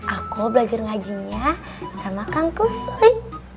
aku belajar ngajinya sama kang kusoy